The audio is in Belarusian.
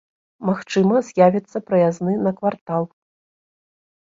Магчыма, з'явіцца праязны на квартал.